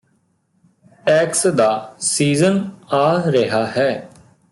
tax ਦਾ season ਆ ਰਿਹਾ ਹੈ